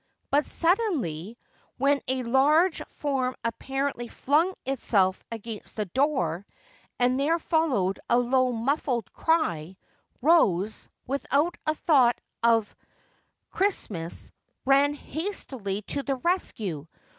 But suddenly, when a large form apparently flung itself against the door and there followed a low muffled cry, Rose, without a thought of Christmas, ran hastily to the rescue.